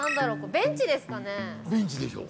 ◆ベンチでしょう。